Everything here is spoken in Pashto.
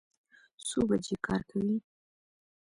څو بجې کار کوئ؟